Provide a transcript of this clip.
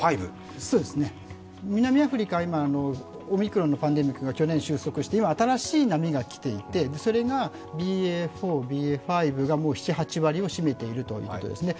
南アフリカ、今はオミクロンのパンデミックが来ていて、今新しい波が来ていて、それがＢＡ．４ＢＡ．５がもう７８割を占めているということですね。